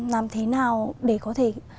làm thế nào để có thể